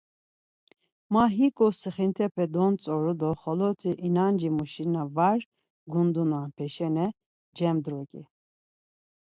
Ma, hiǩu sixint̆epe dontzoru do xoloti inancimuşi na var gundununpe şena cemdruǩi.